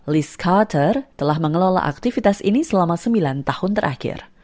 list carter telah mengelola aktivitas ini selama sembilan tahun terakhir